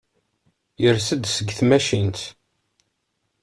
Yers-d seg tmacint.